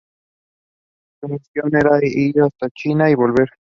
Su misión era ir hasta China y volver.